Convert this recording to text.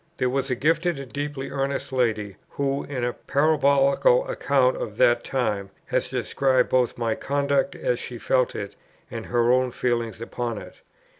There was a gifted and deeply earnest lady, who in a parabolical account of that time, has described both my conduct as she felt it, and her own feelings upon it.